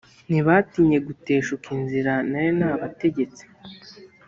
ntibatinye guteshuka inzira nari nabategetse